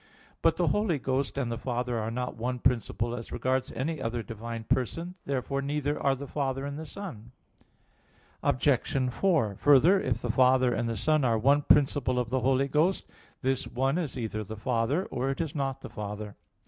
But the Holy Ghost and the Father are not one principle as regards any other divine person. Therefore neither are the Father and the Son. Obj. 4: Further, if the Father and the Son are one principle of the Holy Ghost, this one is either the Father or it is not the Father.